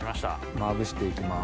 まぶして行きます。